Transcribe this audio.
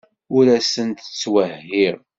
Ur asent-ttwehhiɣ.